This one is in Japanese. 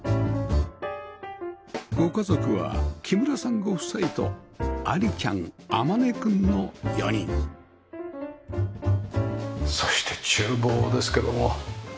ご家族は木村さんご夫妻と照ちゃん舜君の４人そして厨房ですけども。